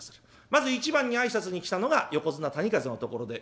まず一番に挨拶に来たのが横綱谷風のところで。